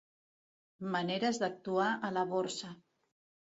Maneres d'actuar a la Borsa.